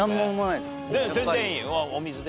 全然いい「お水で」